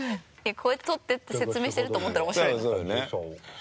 「こうやって撮って」って説明してると思ったら面白い。